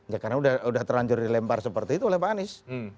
ya karena sudah terlanjur dilempar seperti itu oleh pak anies